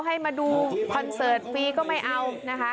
ให้มาดูคอนเสิร์ตฟรีก็ไม่เอานะคะ